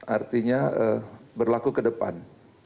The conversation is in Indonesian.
artinya berlaku ke depan